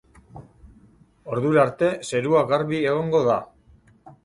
Ordura arte zerua garbi egongo da.